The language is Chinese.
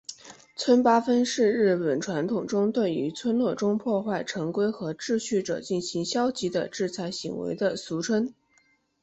村八分是日本传统中对于村落中破坏成规和秩序者进行消极的制裁行为的俗称。